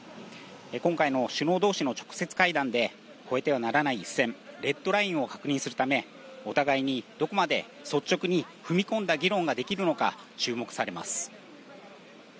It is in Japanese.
今回の首脳どうしの直接会談で、越えてはならない一線、レッドラインを確認するため、お互いにどこまで率直に踏み込んだ議論ができるのか、注目されます。